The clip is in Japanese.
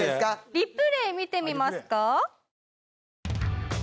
リプレー見てみますか？